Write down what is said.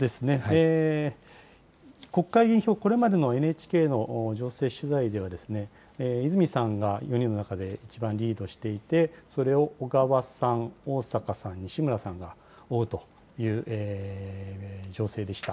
国会議員票、これまでのＮＨＫの情勢取材では、泉さんが４人の中で一番リードしていて、それを小川さん、逢坂さん、西村さんが追うという情勢でした。